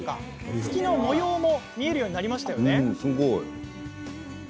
月の模様も見えるようになりましたよね？